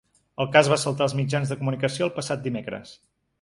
El cas va saltar als mitjans de comunicació el passat dimecres.